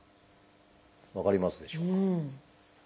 分かりますでしょうか？